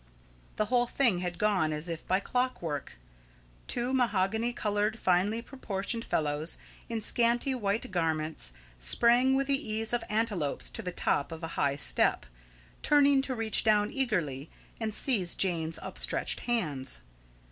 The whole thing had gone as if by clock work. Two mahogany coloured, finely proportioned fellows, in scanty white garments, sprang with the ease of antelopes to the top of a high step, turning to reach down eagerly and seize Jane's upstretched hands.